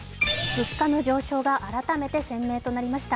物価の上昇が改めて鮮明となりました。